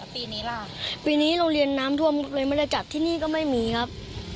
ปีนี้ล่ะปีนี้โรงเรียนน้ำท่วมเลยไม่ได้จัดที่นี่ก็ไม่มีครับ